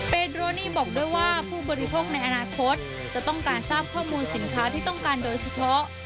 เป็นโรนีบอกด้วยว่าผู้บริโภคในอนาคตจะต้องการทราบข้อมูลสินค้าที่ต้องการโดยเฉพาะ